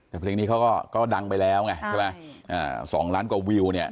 แต่เพลงนี้เขาก็ดังไปแล้วไง๒ล้านกว่าวิว